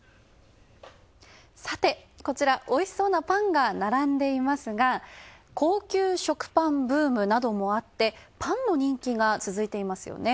おいしそうなパンが並んでいますが、高級食パンブームなどもあってパンの人気が続いていますよね。